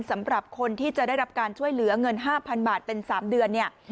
สำหรับคนที่จะได้รับการช่วยเหลือเงิน๕๐๐๐บาทเป็น๓เดือนเนี่ย